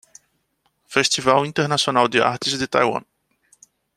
Festival Internacional de Artes de Taiwan